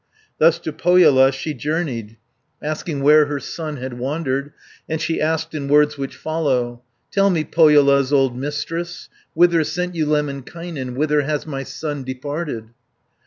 Thus to Pohjola she journeyed, Asking where her son had wandered, And she asked in words which follow: "Tell me, Pohjola's old Mistress, 60 Whither sent you Lemminkainen, Whither has my son departed?"